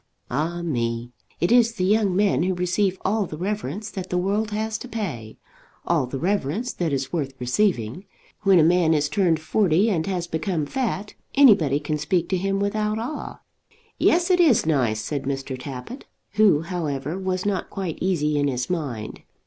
Ah me! It is the young men who receive all the reverence that the world has to pay; all the reverence that is worth receiving. When a man is turned forty and has become fat, anybody can speak to him without awe! "Yes, it is nice," said Mr. Tappitt, who, however, was not quite easy in his mind.